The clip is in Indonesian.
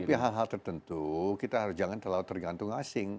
tapi hal hal tertentu kita harus jangan terlalu tergantung asing